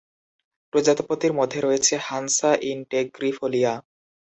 প্রজাতির মধ্যে রয়েছে "হান্সা ইনটেগ্রিফোলিয়া"।